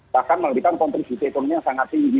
bahkan memberikan kontribusi ekonomi yang sangat tinggi